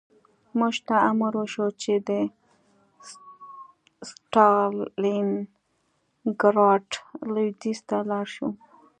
موږ ته امر وشو چې د ستالینګراډ لویدیځ ته لاړ شو